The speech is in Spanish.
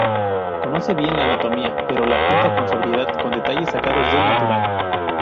Conoce bien la anatomía, pero la pinta con sobriedad, con detalles sacados del natural.